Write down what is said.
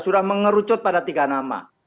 sudah mengerucut pada tiga nama